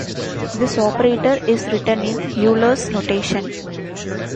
This operator is written in Euler's notation.